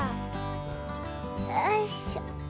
よいしょ。